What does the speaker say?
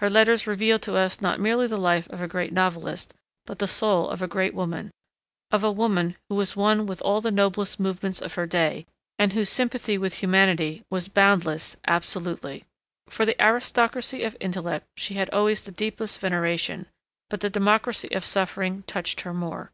Her letters reveal to us not merely the life of a great novelist but the soul of a great woman, of a woman who was one with all the noblest movements of her day and whose sympathy with humanity was boundless absolutely. For the aristocracy of intellect she had always the deepest veneration, but the democracy of suffering touched her more.